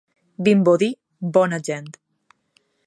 Vimbodí, bona gent.